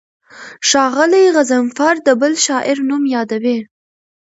ښاغلی غضنفر د بل شاعر نوم یادوي.